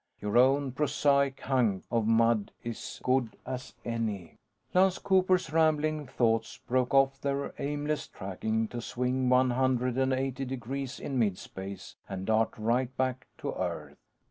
Your own prosaic hunk of mud is good as any!" Lance Cooper's rambling thoughts broke off their aimless tracking to swing one hundred and eighty degrees in midspace and dart right back to Earth.